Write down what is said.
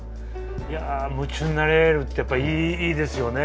いや夢中になれるってやっぱりいいですよね。